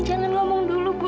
jangan ngomong dulu bu